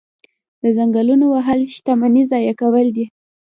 د ځنګلونو وهل شتمني ضایع کول دي.